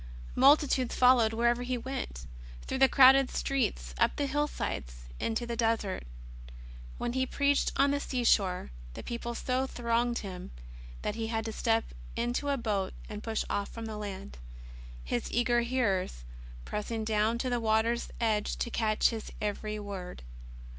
Multitudes followed wherever He went, through the crowded streets, up the hillsides, into the desert. When He preached on the seashore, the people so thronged Him that He had to step into a boat and push off from the land. His eager hearers pressing down to the water's edge to catch His every word.